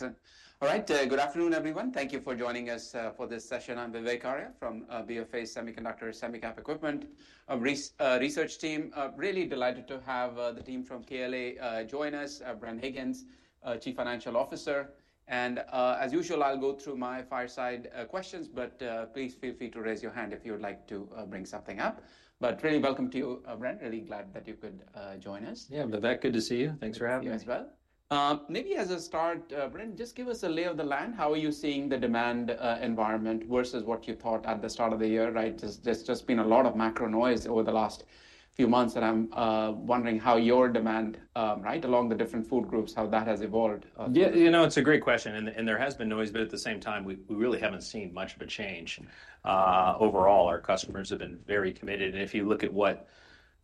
Yep. Okay. Excellent. All right. Good afternoon, everyone. Thank you for joining us for this session. I'm Vivek Arya from Bank of America Semiconductor Semicap Equipment Research Team. Really delighted to have the team from KLA join us, Bren Higgins, Chief Financial Officer. As usual, I'll go through my fireside questions, but please feel free to raise your hand if you would like to bring something up. Really welcome to you, Bren. Really glad that you could join us. Yeah, Vivek, good to see you. Thanks for having me. You as well. Maybe as a start, Bren, just give us a lay of the land. How are you seeing the demand environment versus what you thought at the start of the year, right? There has just been a lot of macro noise over the last few months, and I am wondering how your demand, right, along the different food groups, how that has evolved. Yeah, you know, it's a great question. There has been noise, but at the same time, we really haven't seen much of a change. Overall, our customers have been very committed. If you look at what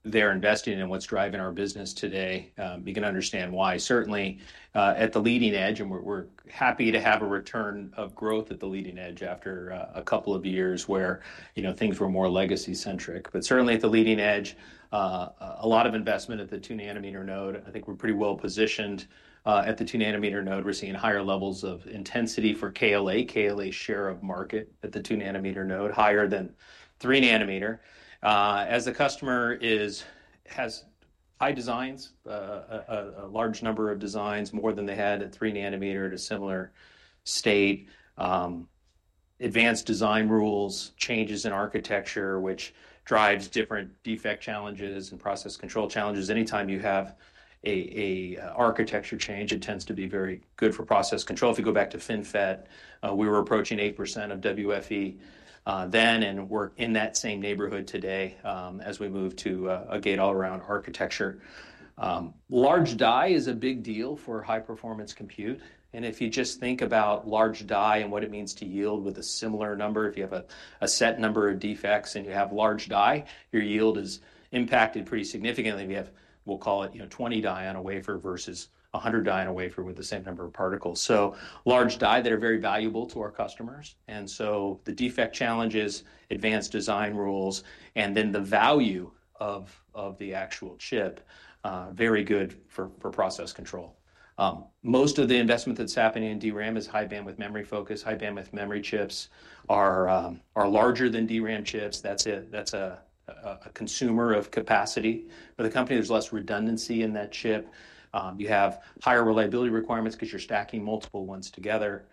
they're investing in and what's driving our business today, you can understand why. Certainly, at the leading edge, we're happy to have a return of growth at the leading edge after a couple of years where, you know, things were more legacy-centric. Certainly at the leading edge, a lot of investment at the two-nanometer node. I think we're pretty well positioned. At the two-nanometer node, we're seeing higher levels of intensity for KLA, KLA's share of market at the two-nanometer node, higher than three-nanometer. As a customer has high designs, a large number of designs, more than they had at three-nanometer at a similar state. Advanced design rules, changes in architecture, which drives different defect challenges and process control challenges. Anytime you have an architecture change, it tends to be very good for process control. If you go back to FinFET, we were approaching 8% of WFE then and were in that same neighborhood today as we move to a gate all-around architecture. Large die is a big deal for high-performance compute. And if you just think about large die and what it means to yield with a similar number, if you have a set number of defects and you have large die, your yield is impacted pretty significantly. We have, we'll call it, you know, 20 die on a wafer versus 100 die on a wafer with the same number of particles. So large die that are very valuable to our customers. And so the defect challenges, advanced design rules, and then the value of the actual chip, very good for process control. Most of the investment that's happening in DRAM is high bandwidth memory focus. High bandwidth memory chips are larger than DRAM chips. That's a consumer of capacity for the company. There's less redundancy in that chip. You have higher reliability requirements because you're stacking multiple ones together.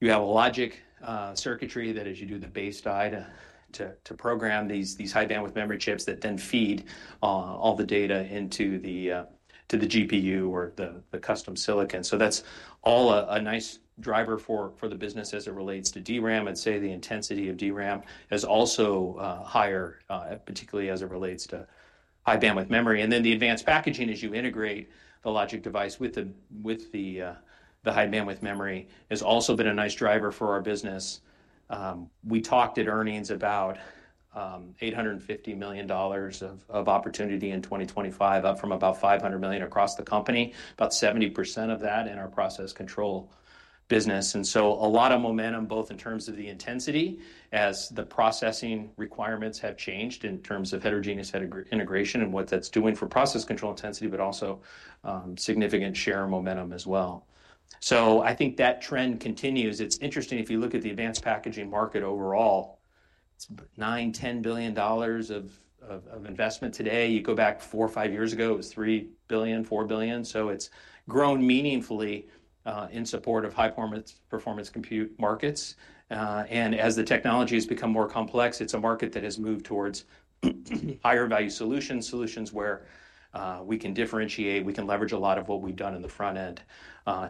You have a logic circuitry that, as you do the base die to program these high bandwidth memory chips that then feed all the data into the GPU or the custom silicon. That is all a nice driver for the business as it relates to DRAM. I'd say the intensity of DRAM is also higher, particularly as it relates to high bandwidth memory. The advanced packaging, as you integrate the logic device with the high bandwidth memory, has also been a nice driver for our business. We talked at earnings about $850 million of opportunity in 2025, up from about $500 million across the company, about 70% of that in our process control business. A lot of momentum, both in terms of the intensity, as the processing requirements have changed in terms of heterogeneous integration and what that is doing for process control intensity, but also significant share momentum as well. I think that trend continues. It is interesting if you look at the advanced packaging market overall, it is $9 billion-$10 billion of investment today. You go back four or five years ago, it was $3 billion-$4 billion. It has grown meaningfully in support of high-performance compute markets. And as the technology has become more complex, it's a market that has moved towards higher value solutions, solutions where we can differentiate, we can leverage a lot of what we've done in the front end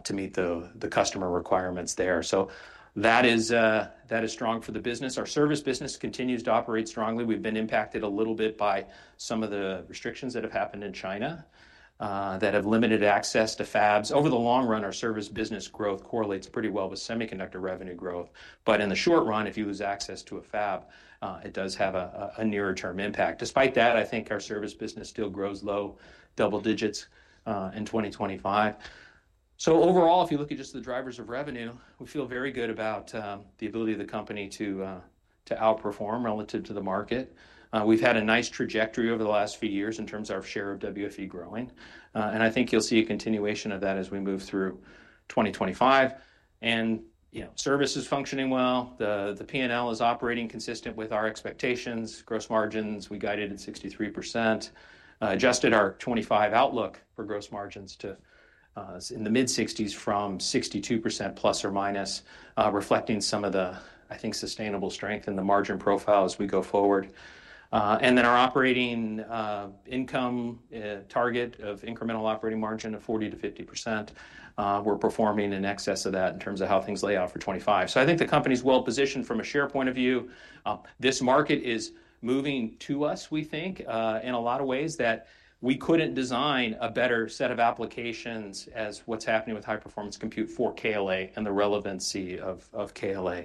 to meet the customer requirements there. That is strong for the business. Our service business continues to operate strongly. We've been impacted a little bit by some of the restrictions that have happened in China that have limited access to fabs. Over the long run, our service business growth correlates pretty well with semiconductor revenue growth. In the short run, if you lose access to a fab, it does have a nearer-term impact. Despite that, I think our service business still grows low double digits in 2025. Overall, if you look at just the drivers of revenue, we feel very good about the ability of the company to outperform relative to the market. We have had a nice trajectory over the last few years in terms of our share of WFE growing. I think you will see a continuation of that as we move through 2025. You know, service is functioning well. The P&L is operating consistent with our expectations. Gross margins, we guided at 63%. Adjusted our 2025 outlook for gross margins to in the mid-60% from 62% plus or minus, reflecting some of the, I think, sustainable strength in the margin profile as we go forward. Our operating income target of incremental operating margin of 40-50%. We are performing in excess of that in terms of how things lay out for 2025. I think the company's well positioned from a share point of view. This market is moving to us, we think, in a lot of ways that we couldn't design a better set of applications as what's happening with high-performance compute for KLA and the relevancy of KLA.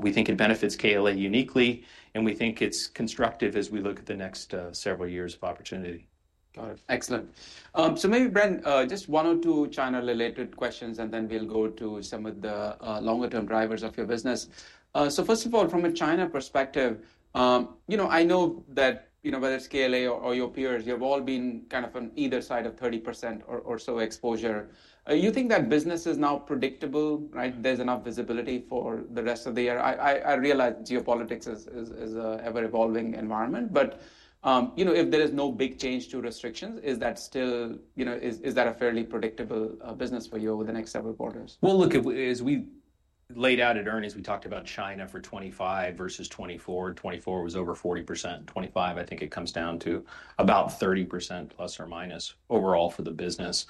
We think it benefits KLA uniquely, and we think it's constructive as we look at the next several years of opportunity. Got it. Excellent. Maybe, Bren, just one or two China-related questions, and then we'll go to some of the longer-term drivers of your business. First of all, from a China perspective, you know, I know that, you know, whether it's KLA or your peers, you've all been kind of on either side of 30% or so exposure. You think that business is now predictable, right? There's enough visibility for the rest of the year. I realize geopolitics is an ever-evolving environment, but, you know, if there is no big change to restrictions, is that still, you know, is that a fairly predictable business for you over the next several quarters? Look, as we laid out at earnings, we talked about China for 2025 versus 2024. 2024 was over 40%. 2025, I think it comes down to about 30% plus or minus overall for the business.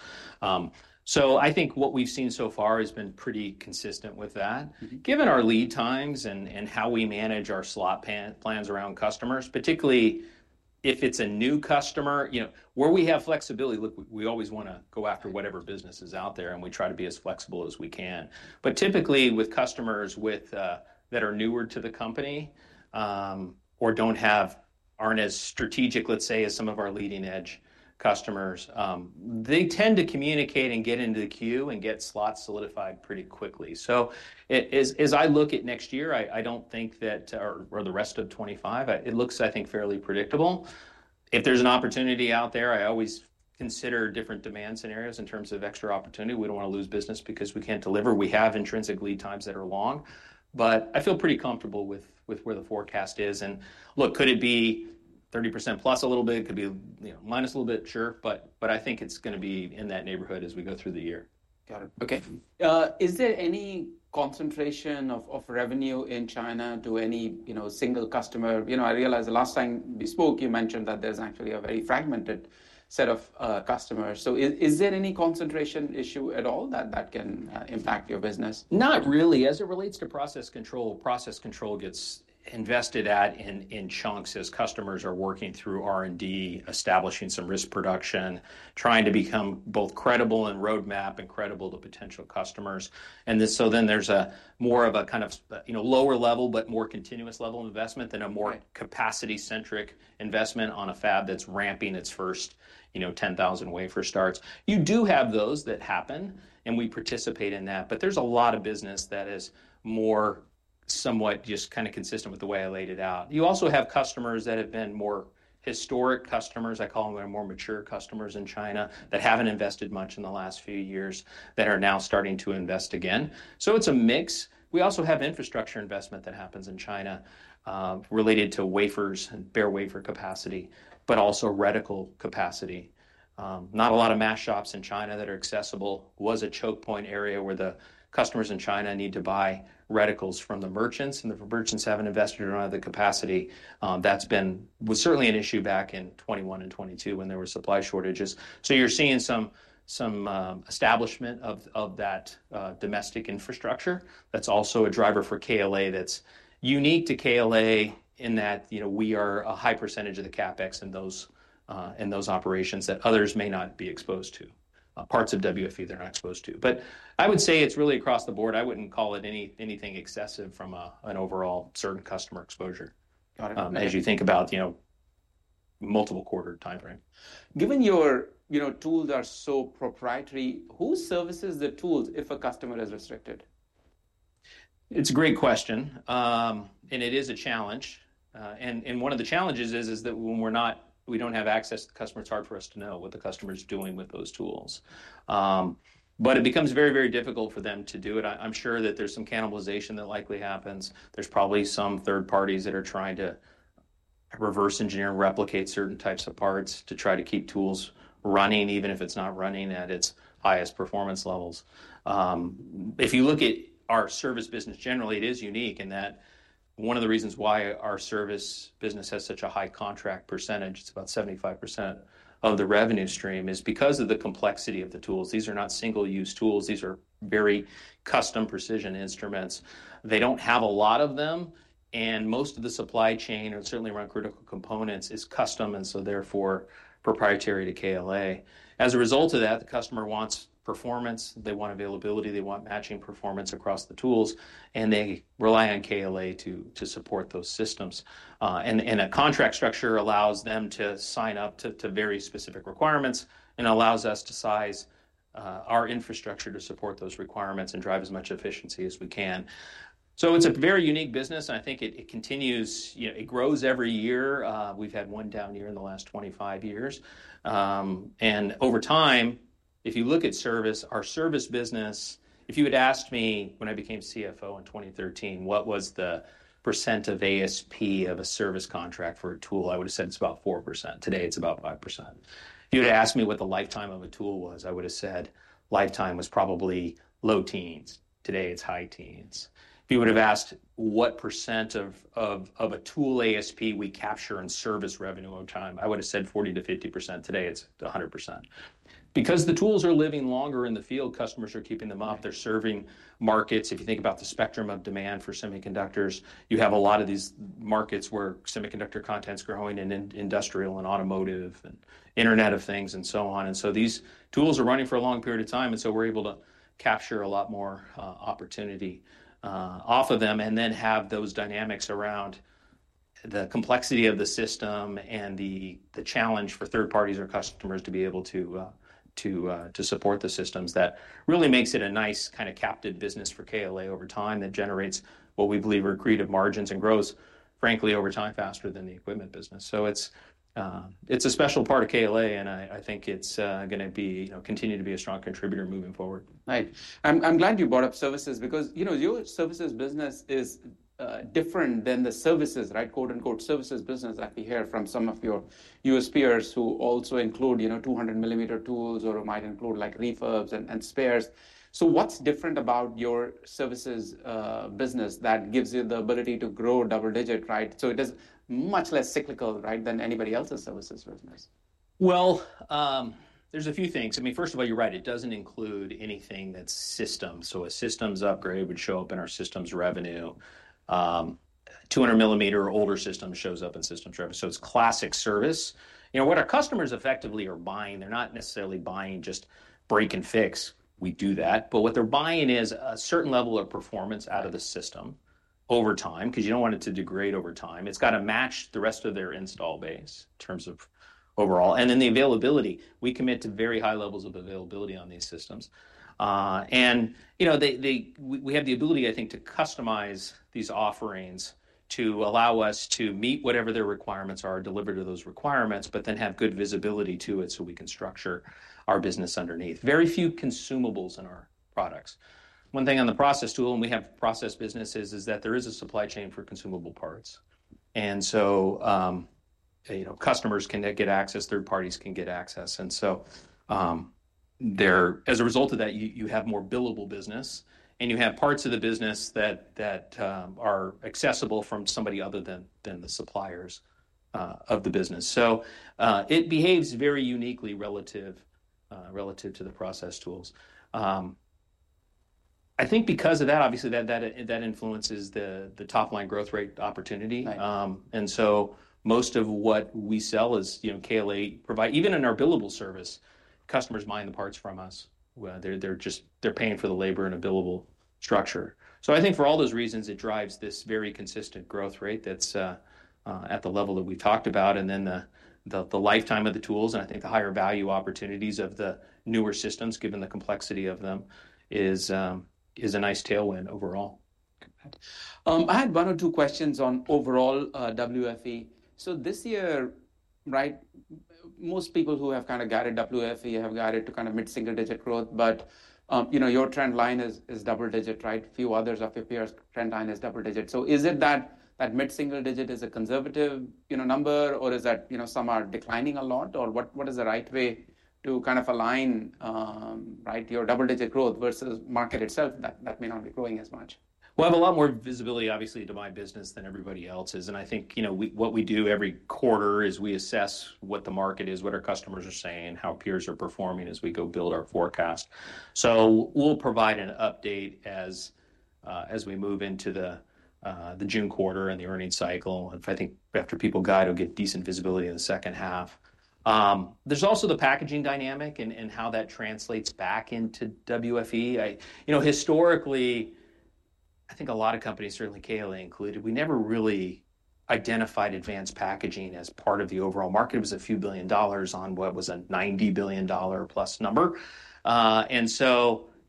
I think what we've seen so far has been pretty consistent with that. Given our lead times and how we manage our slot plans around customers, particularly if it's a new customer, you know, where we have flexibility, we always want to go after whatever business is out there, and we try to be as flexible as we can. Typically with customers that are newer to the company or aren't as strategic, let's say, as some of our leading-edge customers, they tend to communicate and get into the queue and get slots solidified pretty quickly. As I look at next year, I do not think that, or the rest of 2025, it looks, I think, fairly predictable. If there is an opportunity out there, I always consider different demand scenarios in terms of extra opportunity. We do not want to lose business because we cannot deliver. We have intrinsic lead times that are long. I feel pretty comfortable with where the forecast is. Look, could it be 30% plus a little bit? It could be minus a little bit, sure. I think it is going to be in that neighborhood as we go through the year. Got it. Okay. Is there any concentration of revenue in China to any, you know, single customer? You know, I realize the last time we spoke, you mentioned that there's actually a very fragmented set of customers. Is there any concentration issue at all that can impact your business? Not really. As it relates to process control, process control gets invested at in chunks as customers are working through R&D, establishing some risk production, trying to become both credible in roadmap and credible to potential customers. There is more of a kind of, you know, lower level, but more continuous level investment than a more capacity-centric investment on a fab that is ramping its first, you know, 10,000 wafer starts. You do have those that happen, and we participate in that. There is a lot of business that is more somewhat just kind of consistent with the way I laid it out. You also have customers that have been more historic customers. I call them more mature customers in China that have not invested much in the last few years that are now starting to invest again. It is a mix. We also have infrastructure investment that happens in China related to wafers and bare wafer capacity, but also reticle capacity. Not a lot of mask shops in China that are accessible was a choke point area where the customers in China need to buy reticles from the merchants, and the merchants have not invested in a lot of the capacity. That has been certainly an issue back in 2021 and 2022 when there were supply shortages. You are seeing some establishment of that domestic infrastructure. That is also a driver for KLA that is unique to KLA in that, you know, we are a high percentage of the CapEx in those operations that others may not be exposed to. Parts of WFE they are not exposed to. I would say it is really across the board. I would not call it anything excessive from an overall certain customer exposure. Got it. As you think about, you know, multiple quarter timeframe. Given your, you know, tools are so proprietary, who services the tools if a customer is restricted? It's a great question, and it is a challenge. One of the challenges is that when we're not, we don't have access to the customer, it's hard for us to know what the customer's doing with those tools. It becomes very, very difficult for them to do it. I'm sure that there's some cannibalization that likely happens. There's probably some third parties that are trying to reverse engineer, replicate certain types of parts to try to keep tools running, even if it's not running at its highest performance levels. If you look at our service business generally, it is unique in that one of the reasons why our service business has such a high contract percentage, it's about 75% of the revenue stream, is because of the complexity of the tools. These are not single-use tools. These are very custom precision instruments. They do not have a lot of them, and most of the supply chain or certainly around critical components is custom, and so therefore proprietary to KLA. As a result of that, the customer wants performance. They want availability. They want matching performance across the tools, and they rely on KLA to support those systems. A contract structure allows them to sign up to very specific requirements and allows us to size our infrastructure to support those requirements and drive as much efficiency as we can. It is a very unique business, and I think it continues, you know, it grows every year. We have had one down year in the last 25 years. Over time, if you look at service, our service business, if you had asked me when I became CFO in 2013, what was the % of ASP of a service contract for a tool, I would have said it's about 4%. Today, it's about 5%. If you had asked me what the lifetime of a tool was, I would have said lifetime was probably low teens. Today, it's high teens. If you would have asked what % of a tool ASP we capture in service revenue over time, I would have said 40-50%. Today, it's 100%. Because the tools are living longer in the field, customers are keeping them up. They're serving markets. If you think about the spectrum of demand for semiconductors, you have a lot of these markets where semiconductor content's growing in industrial and automotive and internet of things and so on. These tools are running for a long period of time, and so we're able to capture a lot more opportunity off of them and then have those dynamics around the complexity of the system and the challenge for third parties or customers to be able to support the systems. That really makes it a nice kind of captive business for KLA over time that generates what we believe are creative margins and grows, frankly, over time faster than the equipment business. It is a special part of KLA, and I think it's going to continue to be a strong contributor moving forward. Right. I'm glad you brought up services because, you know, your services business is different than the services, right? Quote unquote, services business that we hear from some of your U.S. peers who also include, you know, 200 millimeter tools or might include like refurbs and spares. What's different about your services business that gives you the ability to grow double digit, right? It is much less cyclical, right, than anybody else's services business? There are a few things. I mean, first of all, you're right. It does not include anything that's systems. A systems upgrade would show up in our systems revenue. 200 millimeter or older system shows up in systems revenue. It is classic service. You know, what our customers effectively are buying, they are not necessarily buying just break and fix. We do that. What they are buying is a certain level of performance out of the system over time because you do not want it to degrade over time. It has to match the rest of their install base in terms of overall. The availability, we commit to very high levels of availability on these systems. You know, we have the ability, I think, to customize these offerings to allow us to meet whatever their requirements are, deliver to those requirements, but then have good visibility to it so we can structure our business underneath. Very few consumables in our products. One thing on the process tool, and we have process businesses, is that there is a supply chain for consumable parts. You know, customers can get access, third parties can get access. As a result of that, you have more billable business, and you have parts of the business that are accessible from somebody other than the suppliers of the business. It behaves very uniquely relative to the process tools. I think because of that, obviously, that influences the top-line growth rate opportunity. And so most of what we sell is, you know, KLA provide, even in our billable service, customers mine the parts from us. They're just, they're paying for the labor in a billable structure. I think for all those reasons, it drives this very consistent growth rate that's at the level that we've talked about. The lifetime of the tools, and I think the higher value opportunities of the newer systems, given the complexity of them, is a nice tailwind overall. I had one or two questions on overall WFE. This year, right, most people who have kind of guided WFE have guided to kind of mid-single digit growth, but, you know, your trend line is double digit, right? Few others of your peers' trend line is double digit. Is it that mid-single digit is a conservative, you know, number, or is that, you know, some are declining a lot, or what is the right way to kind of align, right, your double-digit growth versus market itself that may not be growing as much? I have a lot more visibility, obviously, to my business than everybody else's. I think, you know, what we do every quarter is we assess what the market is, what our customers are saying, how peers are performing as we go build our forecast. We will provide an update as we move into the June quarter and the earnings cycle. I think after people guide, we will get decent visibility in the second half. There is also the packaging dynamic and how that translates back into WFE. You know, historically, I think a lot of companies, certainly KLA included, we never really identified advanced packaging as part of the overall market. It was a few billion dollars on what was a $90 billion plus number.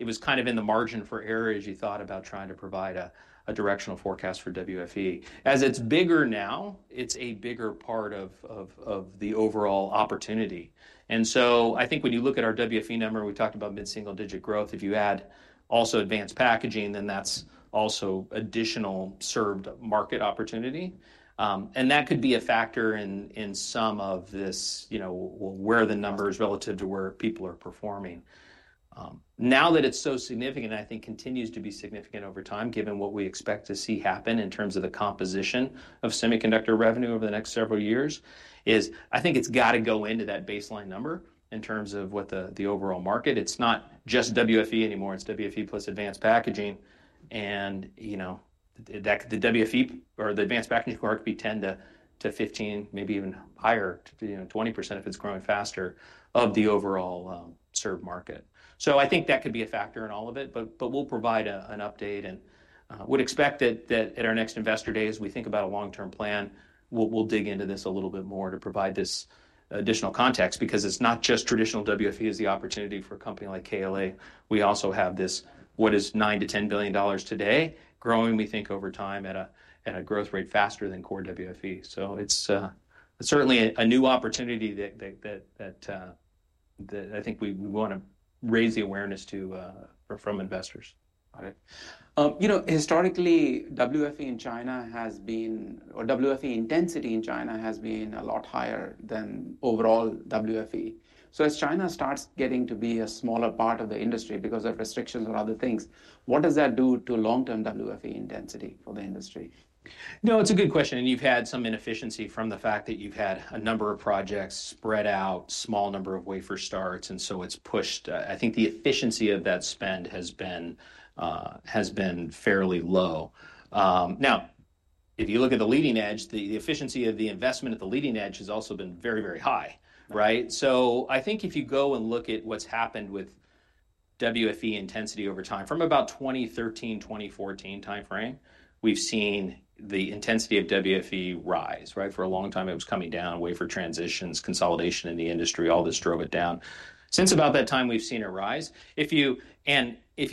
It was kind of in the margin for error as you thought about trying to provide a directional forecast for WFE. As it's bigger now, it's a bigger part of the overall opportunity. I think when you look at our WFE number, we talked about mid-single digit growth. If you add also advanced packaging, then that's also additional served market opportunity. That could be a factor in some of this, you know, where the numbers relative to where people are performing. Now that it's so significant, I think continues to be significant over time, given what we expect to see happen in terms of the composition of semiconductor revenue over the next several years, is I think it's got to go into that baseline number in terms of what the overall market. It's not just WFE anymore. It's WFE plus advanced packaging. You know, the WFE or the advanced packaging quarter could be 10-15, maybe even higher, you know, 20% if it is growing faster of the overall served market. I think that could be a factor in all of it, but we will provide an update and would expect that at our next investor day, as we think about a long-term plan, we will dig into this a little bit more to provide this additional context because it is not just traditional WFE that is the opportunity for a company like KLA. We also have this, what is $9-$10 billion today, growing, we think over time at a growth rate faster than core WFE. It is certainly a new opportunity that I think we want to raise the awareness to from investors. Got it. You know, historically, WFE in China has been, or WFE intensity in China has been a lot higher than overall WFE. As China starts getting to be a smaller part of the industry because of restrictions or other things, what does that do to long-term WFE intensity for the industry? No, it's a good question. You've had some inefficiency from the fact that you've had a number of projects spread out, small number of wafer starts, and it's pushed. I think the efficiency of that spend has been fairly low. Now, if you look at the leading edge, the efficiency of the investment at the leading edge has also been very, very high, right? I think if you go and look at what's happened with WFE intensity over time from about 2013, 2014 timeframe, we've seen the intensity of WFE rise, right? For a long time, it was coming down, wafer transitions, consolidation in the industry, all this drove it down. Since about that time, we've seen a rise. If you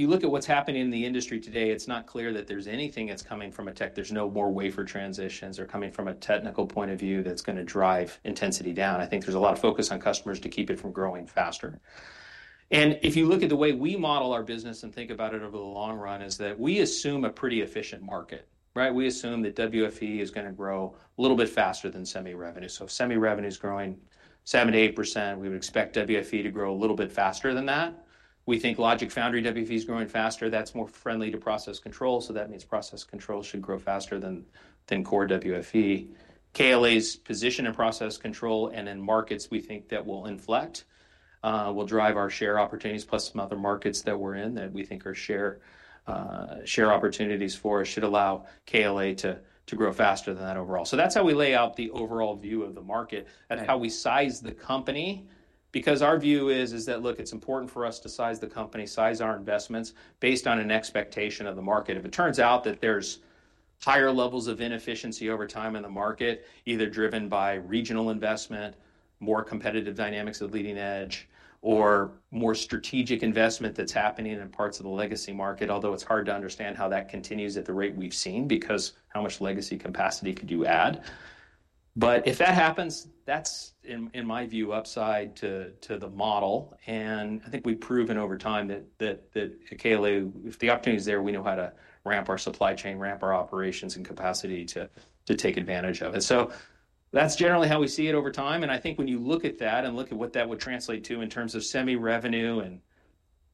look at what's happening in the industry today, it's not clear that there's anything that's coming from a tech, there's no more wafer transitions or coming from a technical point of view that's going to drive intensity down. I think there's a lot of focus on customers to keep it from growing faster. If you look at the way we model our business and think about it over the long run, we assume a pretty efficient market, right? We assume that WFE is going to grow a little bit faster than semi-revenue. If semi-revenue is growing 7-8%, we would expect WFE to grow a little bit faster than that. We think Logic Foundry WFE is growing faster. That's more friendly to process control. That means process control should grow faster than core WFE. KLA's position in process control and in markets we think that will inflect, will drive our share opportunities, plus some other markets that we're in that we think are share opportunities for us should allow KLA to grow faster than that overall. That's how we lay out the overall view of the market and how we size the company because our view is that, look, it's important for us to size the company, size our investments based on an expectation of the market. If it turns out that there's higher levels of inefficiency over time in the market, either driven by regional investment, more competitive dynamics of leading edge, or more strategic investment that's happening in parts of the legacy market, although it's hard to understand how that continues at the rate we've seen because how much legacy capacity could you add. But if that happens, that's, in my view, upside to the model. I think we've proven over time that KLA, if the opportunity is there, we know how to ramp our supply chain, ramp our operations and capacity to take advantage of it. That's generally how we see it over time. I think when you look at that and look at what that would translate to in terms of semi-revenue and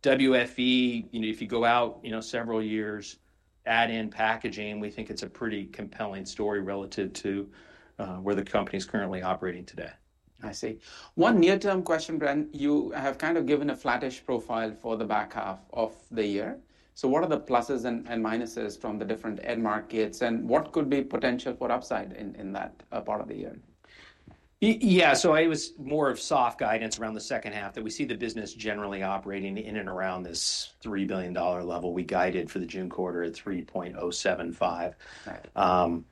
WFE, you know, if you go out, you know, several years, add in packaging, we think it's a pretty compelling story relative to where the company is currently operating today. I see. One near-term question, Bren, you have kind of given a flattish profile for the back half of the year. What are the pluses and minuses from the different end markets and what could be potential for upside in that part of the year? Yeah, so it was more of soft guidance around the second half that we see the business generally operating in and around this $3 billion level. We guided for the June quarter at $3.075 billion.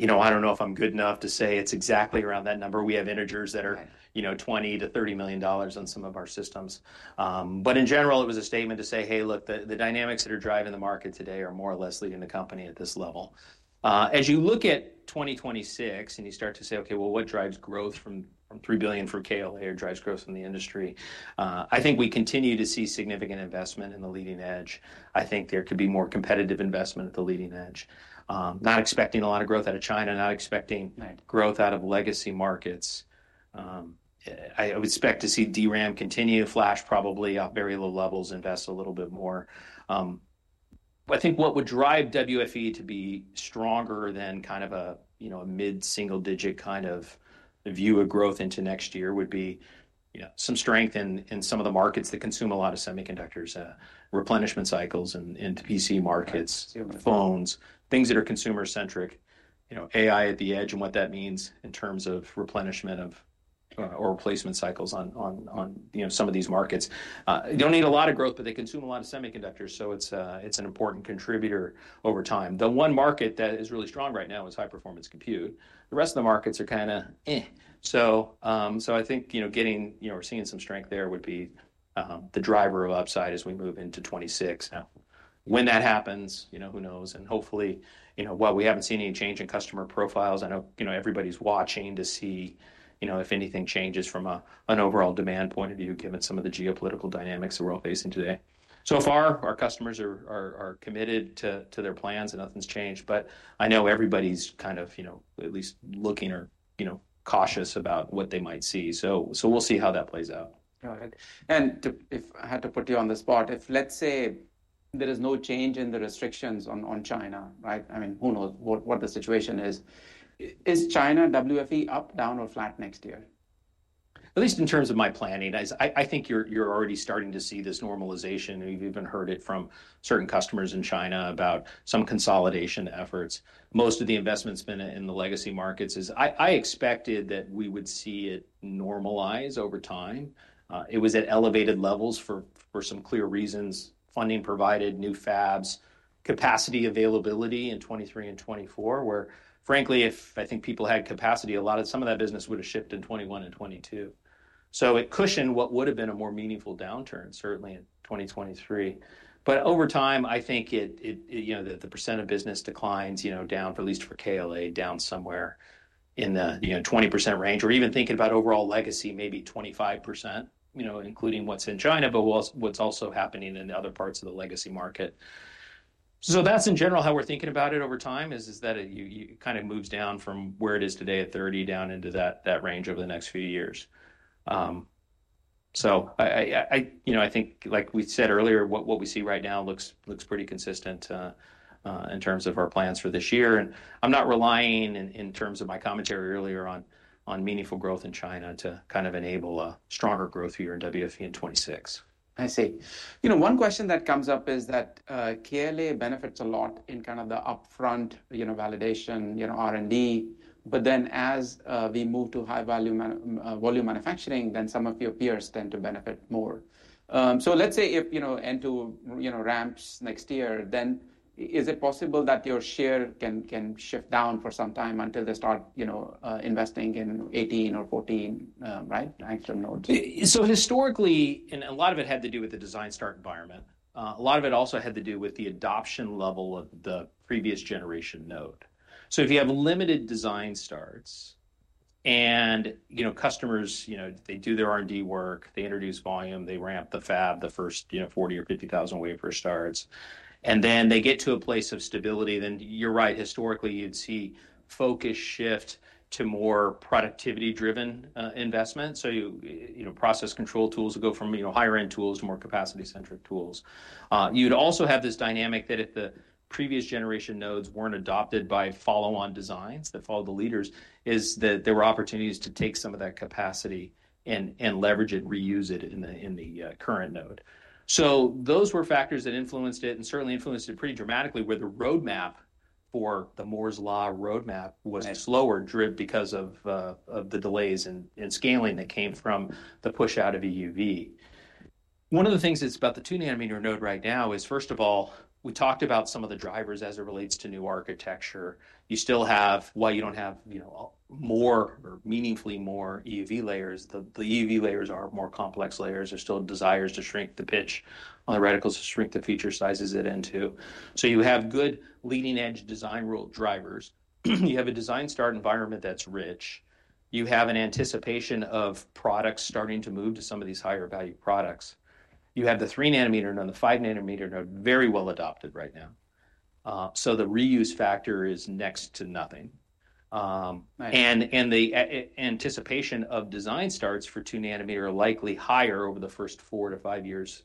You know, I don't know if I'm good enough to say it's exactly around that number. We have integers that are, you know, $20 million-$30 million on some of our systems. But in general, it was a statement to say, hey, look, the dynamics that are driving the market today are more or less leading the company at this level. As you look at 2026 and you start to say, okay, what drives growth from $3 billion from KLA or drives growth from the industry? I think we continue to see significant investment in the leading edge. I think there could be more competitive investment at the leading edge. Not expecting a lot of growth out of China, not expecting growth out of legacy markets. I would expect to see DRAM continue to flash probably at very low levels, invest a little bit more. I think what would drive WFE to be stronger than kind of a, you know, a mid-single digit kind of view of growth into next year would be, you know, some strength in some of the markets that consume a lot of semiconductors, replenishment cycles and PC markets, phones, things that are consumer-centric, you know, AI at the edge and what that means in terms of replenishment of or replacement cycles on, you know, some of these markets. They do not need a lot of growth, but they consume a lot of semiconductors, so it is an important contributor over time. The one market that is really strong right now is high-performance compute. The rest of the markets are kind of, I think, you know, getting, you know, we're seeing some strength there would be the driver of upside as we move into 2026. Now, when that happens, you know, who knows? Hopefully, you know, we haven't seen any change in customer profiles. I know, you know, everybody's watching to see, you know, if anything changes from an overall demand point of view, given some of the geopolitical dynamics that we're all facing today. So far, our customers are committed to their plans and nothing's changed, but I know everybody's kind of, you know, at least looking or, you know, cautious about what they might see. We'll see how that plays out. All right. If I had to put you on the spot, if let's say there is no change in the restrictions on China, right? I mean, who knows what the situation is? Is China WFE up, down, or flat next year? At least in terms of my planning, I think you're already starting to see this normalization. You've even heard it from certain customers in China about some consolidation efforts. Most of the investment's been in the legacy markets. I expected that we would see it normalize over time. It was at elevated levels for some clear reasons, funding provided, new fabs, capacity availability in 2023 and 2024, where frankly, if I think people had capacity, a lot of some of that business would have shipped in 2021 and 2022. It cushioned what would have been a more meaningful downturn, certainly in 2023. Over time, I think it, you know, the percent of business declines, you know, down for at least for KLA, down somewhere in the, you know, 20% range, or even thinking about overall legacy, maybe 25%, you know, including what's in China, but what's also happening in other parts of the legacy market. That is in general how we're thinking about it over time is that it kind of moves down from where it is today at 30% down into that range over the next few years. I, you know, I think like we said earlier, what we see right now looks pretty consistent in terms of our plans for this year. I'm not relying in terms of my commentary earlier on meaningful growth in China to kind of enable a stronger growth year in WFE in 2026. I see. You know, one question that comes up is that KLA benefits a lot in kind of the upfront, you know, validation, you know, R&D, but then as we move to high-volume manufacturing, then some of your peers tend to benefit more. Let's say if, you know, N2, you know, ramps next year, then is it possible that your share can shift down for some time until they start, you know, investing in 18 or 14, right? Angstrom nodes. Historically, a lot of it had to do with the design start environment. A lot of it also had to do with the adoption level of the previous generation node. If you have limited design starts and, you know, customers, you know, they do their R&D work, they introduce volume, they ramp the fab, the first, you know, 40,000 or 50,000 wafer starts, and then they get to a place of stability, then you're right, historically, you'd see focus shift to more productivity-driven investments. You know, process control tools would go from, you know, higher-end tools to more capacity-centric tools. You'd also have this dynamic that if the previous generation nodes weren't adopted by follow-on designs that followed the leaders, there were opportunities to take some of that capacity and leverage it, reuse it in the current node. Those were factors that influenced it and certainly influenced it pretty dramatically where the roadmap for the Moore's Law roadmap was slower driven because of the delays in scaling that came from the push out of EUV. One of the things that's about the two-nanometer node right now is, first of all, we talked about some of the drivers as it relates to new architecture. You still have why you don't have, you know, more or meaningfully more EUV layers. The EUV layers are more complex layers. There's still desires to shrink the pitch on the reticles to shrink the feature sizes it into. You have good leading-edge design rule drivers. You have a design start environment that's rich. You have an anticipation of products starting to move to some of these higher-value products. You have the three-nanometer node, the five-nanometer node very well adopted right now. The reuse factor is next to nothing. The anticipation of design starts for two-nanometer is likely higher over the first four to five years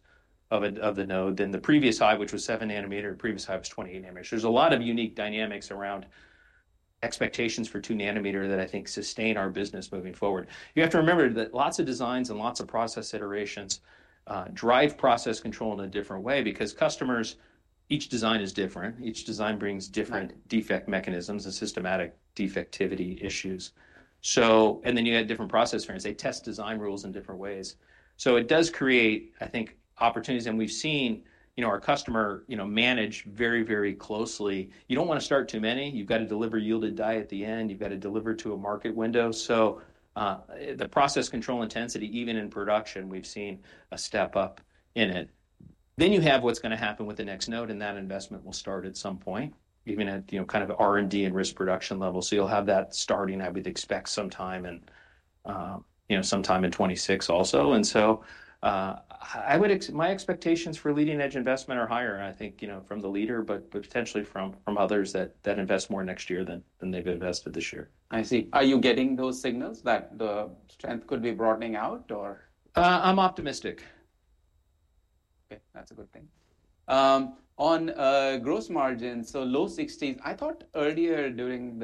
of the node than the previous high, which was seven-nanometer. The previous high was 28-nanometer. There are a lot of unique dynamics around expectations for two-nanometer that I think sustain our business moving forward. You have to remember that lots of designs and lots of process iterations drive process control in a different way because customers, each design is different. Each design brings different defect mechanisms and systematic defectivity issues. You have different process variants. They test design rules in different ways. It does create, I think, opportunities. We have seen, you know, our customer, you know, manage very, very closely. You do not want to start too many. You have to deliver yielded die at the end. You've got to deliver to a market window. So the process control intensity, even in production, we've seen a step up in it. Then you have what's going to happen with the next node and that investment will start at some point, even at, you know, kind of R&D and risk production level. You'll have that starting, I would expect sometime in, you know, sometime in 2026 also. I would, my expectations for leading-edge investment are higher, I think, you know, from the leader, but potentially from others that invest more next year than they've invested this year. I see. Are you getting those signals that the strength could be broadening out, or? I'm optimistic. Okay, that's a good thing. On gross margins, so low 60s. I thought earlier during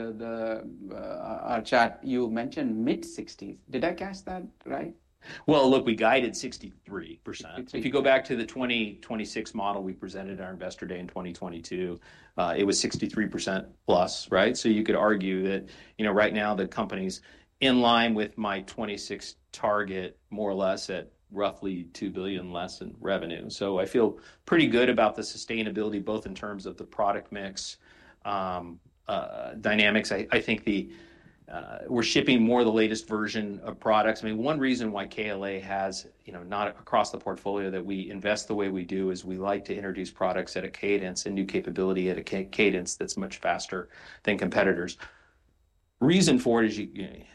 our chat you mentioned mid-60s. Did I catch that right? Look, we guided 63%. If you go back to the 2026 model we presented at our investor day in 2022, it was 63% plus, right? You could argue that, you know, right now the company's in line with my 2026 target more or less at roughly $2 billion less in revenue. I feel pretty good about the sustainability both in terms of the product mix dynamics. I think we're shipping more of the latest version of products. I mean, one reason why KLA has, you know, not across the portfolio that we invest the way we do is we like to introduce products at a cadence and new capability at a cadence that's much faster than competitors. The reason for it is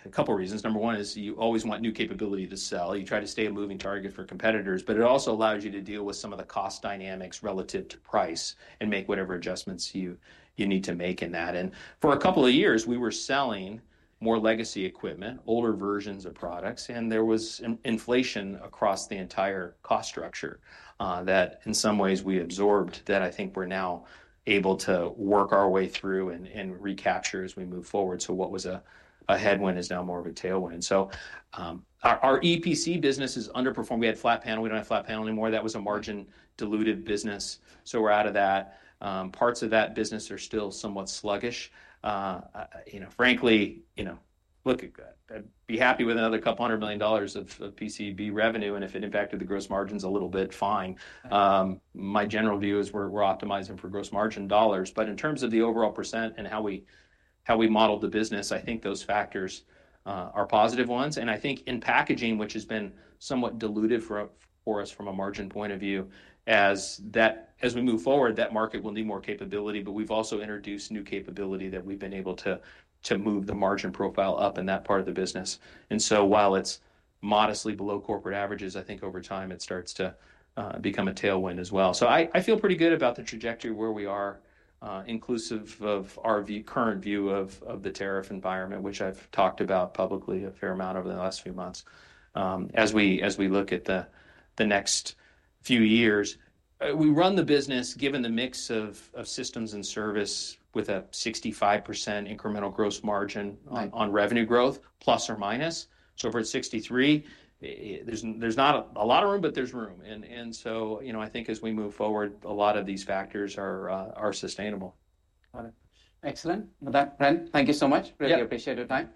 a couple of reasons. Number one is you always want new capability to sell. You try to stay a moving target for competitors, but it also allows you to deal with some of the cost dynamics relative to price and make whatever adjustments you need to make in that. For a couple of years, we were selling more legacy equipment, older versions of products, and there was inflation across the entire cost structure that in some ways we absorbed that I think we're now able to work our way through and recapture as we move forward. What was a headwind is now more of a tailwind. Our EPC business is underperforming. We had flat panel. We don't have flat panel anymore. That was a margin-diluted business. We're out of that. Parts of that business are still somewhat sluggish. You know, frankly, you know, look, I'd be happy with another couple hundred million dollars of PCB revenue. If it impacted the gross margins a little bit, fine. My general view is we're optimizing for gross margin dollars. In terms of the overall % and how we modeled the business, I think those factors are positive ones. I think in packaging, which has been somewhat diluted for us from a margin point of view, as we move forward, that market will need more capability. We've also introduced new capability that we've been able to move the margin profile up in that part of the business. While it's modestly below corporate averages, I think over time it starts to become a tailwind as well. I feel pretty good about the trajectory where we are, inclusive of our current view of the tariff environment, which I've talked about publicly a fair amount over the last few months. As we look at the next few years, we run the business given the mix of systems and service with a 65% incremental gross margin on revenue growth, plus or minus. If we are at 63, there is not a lot of room, but there is room. You know, I think as we move forward, a lot of these factors are sustainable. Got it. Excellent. Bren, thank you so much. Really appreciate your time.